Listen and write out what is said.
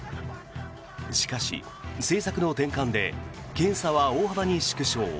しかし、政策の転換で検査は大幅に縮小。